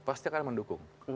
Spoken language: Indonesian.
pasti akan mendukung